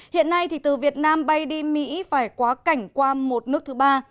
hiện nay từ việt nam bay đi mỹ phải quá cảnh qua một nước thứ ba